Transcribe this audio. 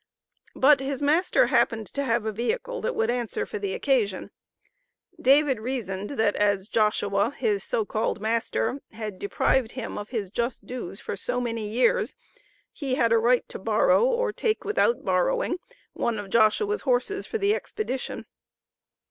But his master happened to have a vehicle that would answer for the occasion. David reasoned that as Joshua, his so called master, had deprived him of his just dues for so many years, he had a right to borrow, or take without borrowing, one of Joshua's horses for the expedition.